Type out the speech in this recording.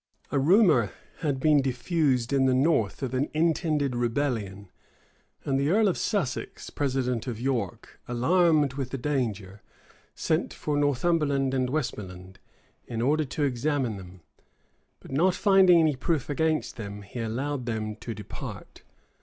A rumor had been diffused in the north of an intended rebellion; and the earl of Sussex, president of York, alarmed with the danger, sent for Northumberland and Westmoreland, in order to examine them: but not finding any proof against them, he allowed them to depart.